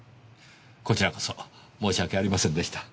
こちらこそ申し訳ありませんでした。